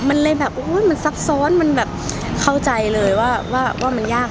มันเลยแบบโอ้ยมันซับซ้อนมันแบบเข้าใจเลยว่าว่ามันยาก